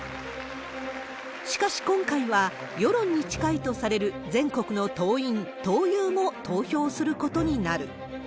しかし今回は、世論に近いとされる全国の党員、党友も投票することになる。